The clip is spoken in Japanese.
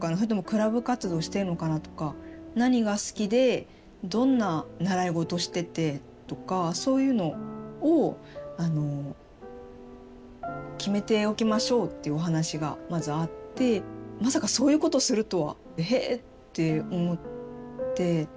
それともクラブ活動してるのかなとか何が好きでどんな習い事しててとかそういうのを決めておきましょうっていうお話がまずあってまさかそういうことをするとは「へぇ」って思って。